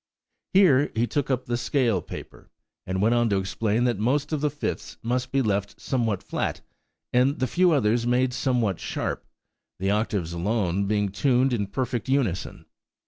Here he took up the scale paper, and went on to explain that most of the fifths must be left somewhat flat, and the few others made somewhat sharp; the octaves alone being tuned in perfect unison.